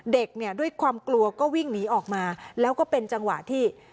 เด็กเนี่ยด้วยความกลัวก็วิ่งหนีออกมาแล้วก็เป็นจังหวะที่